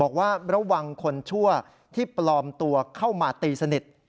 บอกว่าระวังคนชั่วที่ปลอมตัวเข้ามาตีสนิท